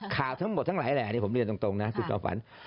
ข่าวทั้งหมดทั้งหลายแหล่ผมเรียนตรงนะคุณจอมฝัน